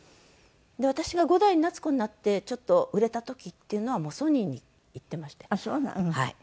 で私が伍代夏子になってちょっと売れた時っていうのはもうソニーにいってましてはい。